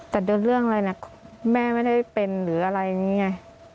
แต่โดนเรื่องอะไรนะแม่ไม่ได้เป็นหรืออะไรอย่างนี้ไง